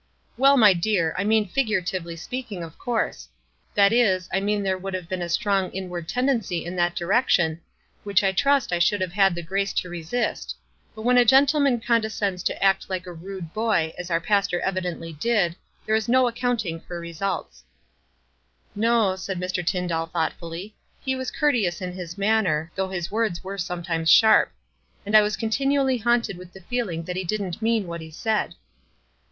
" Well, my dear. I mean figuratively speak ing, of course, — that is, I mean there would have been a strong inward tendency in that di rection, which I trust I should have had the grace to resist ; but when a gentleman conde scends to act like a rude boy, as our pastor evi dently did, there is no accounting for results." 264 WISE AND OTHERWISE. ff No," said Mr. Tyndall, thoughtfully; "he was courteous in his manner, though his word? were sometimes sharp; and I was continually haunted with the feeling that he didn't mean what he said."